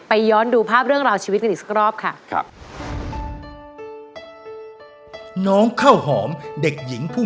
บานตอนเย็นวันอาทิตย์๑๘นาฬิกา